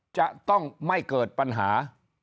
จะต้องไม่เกิดปัญหา